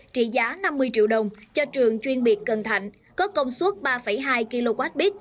trị giá năm mươi triệu đồng cho trường chuyên biệt cần thạnh có công suất ba hai kwh